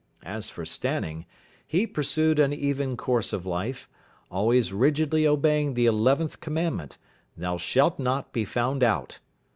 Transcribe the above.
As for Stanning, he pursued an even course of life, always rigidly obeying the eleventh commandment, "thou shalt not be found out".